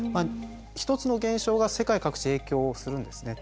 一つの現象が世界各地に影響するんですね。